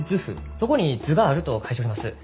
そこに図があると書いちょります。